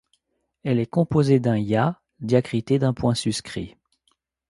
Elle est composée d’un yā diacrité d’un point suscrit.